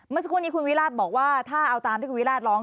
เมื่อสักครู่นี้คุณวิราชบอกว่าถ้าเอาตามที่คุณวิราชร้อง